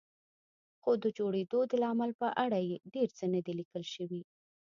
خو د جوړېدو د لامل په اړه یې ډېر څه نه دي لیکل شوي.